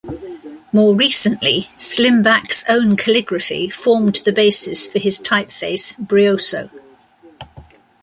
More recently, Slimbach's own calligraphy formed the basis for his typeface Brioso.